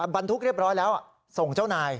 บรรทุกเรียบร้อยแล้วส่งเจ้านาย